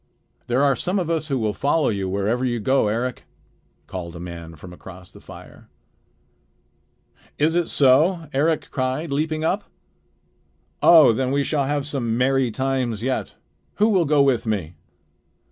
"There are some of us who will follow you wherever you go, Eric," called a man from across the fire. "Is it so?" Eric cried, leaping up. "Oh! then we shall have some merry times yet. Who will go with me?"